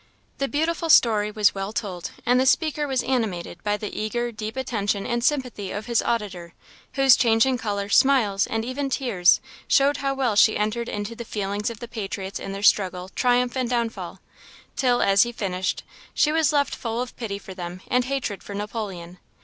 The beautiful story was well told, and the speaker was animated by the eager, deep attention and sympathy of his auditor, whose changing colour, smiles, and even tears, showed how well she entered into the feelings of the patriots in their struggle, triumph, and downfall; till, as he finished, she was left full of pity for them and hatred for Napoleon.